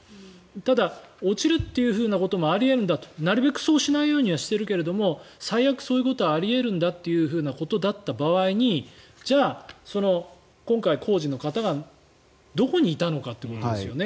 ただ、落ちるということもあり得るんだとなるべくそうしないようにはしているけれども最悪そういうことはあり得るんだというようなことだった場合じゃあ、今回工事の方がどこにいたのかということですよね。